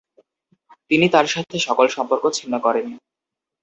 তিনি তার সাথে সকল সম্পর্ক ছিন্ন করেন।